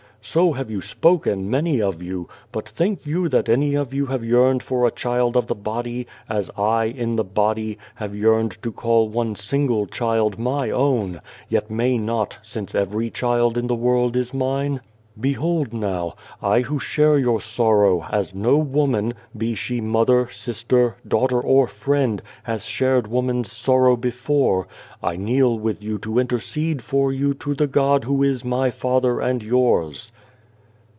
"So have you spoken, many of you; but think you that any of you have yearned for a child of the body, as I, in the body, have 298 Without a Child yearned to call one single child My own, yet may not, since every child in the world is Mine ?" Behold now, I who share your sorrow, as no woman, be she mother, sister, daughter or friend, has shared woman's sorrow before, I kneel with you to intercede for you to the God Who is My Father and yours."